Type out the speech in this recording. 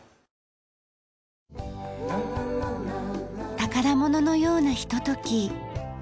宝物のようなひととき。